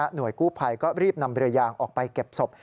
หน่วยกู้ภัยก็รีบนำเรือยางออกไปเก็บศพ